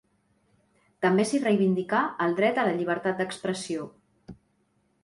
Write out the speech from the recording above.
També s'hi reivindicà el dret a la llibertat d'expressió.